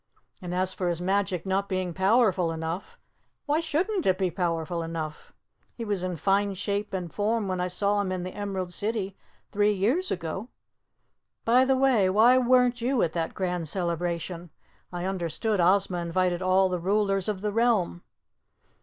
And as for his magic not being powerful enough why shouldn't it be powerful enough? He was in fine shape and form when I saw him in the Emerald City three years ago. By the way, why weren't you at that grand celebration? I understood Ozma invited all the Rulers of the Realm."